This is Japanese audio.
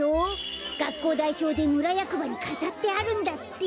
がっこうだいひょうでむらやくばにかざってあるんだって。